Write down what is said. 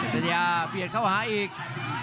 ปัญญาเปลี่ยนเข้าหาอีก